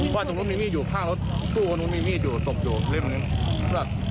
บ้านตรงนู้นมีมีดอยู่ข้างรถสู้บ้านตรงนู้นมีมีดอยู่ตบอยู่เล่นแบบนี้